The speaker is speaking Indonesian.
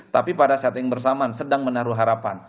tapi pada setting bersamaan sedang menaruh harapan